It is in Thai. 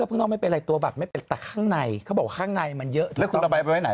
เออคุณต้องระวังนะคุณเอาไปทิ้งเลย